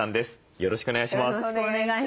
よろしくお願いします。